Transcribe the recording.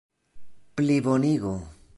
plibonigo